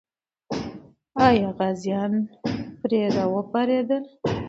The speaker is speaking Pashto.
آیا غازیان پرې راوپارېدل؟